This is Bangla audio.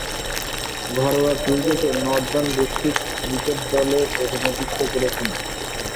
ঘরোয়া ক্রিকেটে নর্দার্ন ডিস্ট্রিক্টস ক্রিকেট দলে প্রতিনিধিত্ব করছেন।